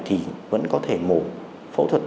thì vẫn có thể mổ phẫu thuật